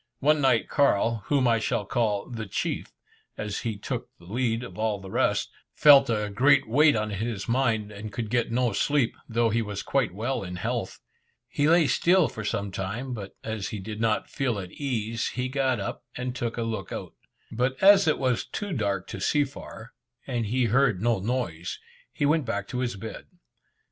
One night Carl whom I shall call "the chief," as he took the lead of all the rest felt a great weight on his mind, and could get no sleep, though he was quite well in health. He lay still for some time, but as he, did not feel at case, he got up, and took a look out. But as it was too dark to see far, and he heard no noise, he went back to his bed.